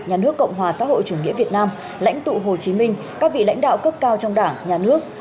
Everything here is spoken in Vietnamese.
nhà nước cộng hòa xã hội chủ nghĩa việt nam lãnh tụ hồ chí minh các vị lãnh đạo cấp cao trong đảng nhà nước